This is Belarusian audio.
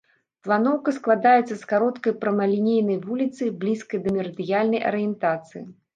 Планоўка складаецца з кароткай прамалінейнай вуліцы, блізкай да мерыдыянальнай арыентацыі.